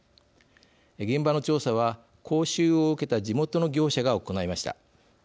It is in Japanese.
現場の調査は講習を受けた地元の業者が行いました。